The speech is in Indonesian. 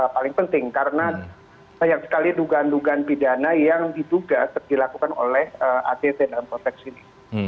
paling penting karena banyak sekali dugaan dugaan pidana yang diduga dilakukan oleh atc dalam konteks ini